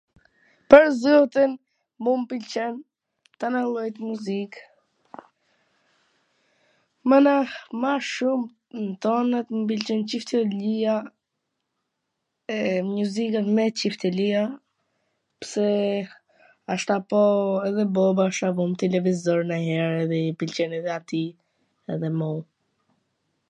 Pwr zotin mu m pwlqen tanat llojet muzik, mana ma shum tonat m pwlqen Ciftelia e mjuzikat me Ciftelia, pse asht tu po edhe boba n televizor nanjher edhe i pwlqen edhe atij edhe moms.